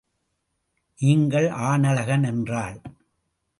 நீங்கள் ஆணழகன் என்றாள்.